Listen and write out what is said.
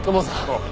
ああ。